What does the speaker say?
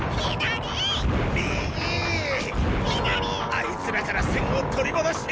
アイツらから栓を取り戻して。